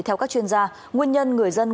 theo các chuyên gia nguyên nhân người dân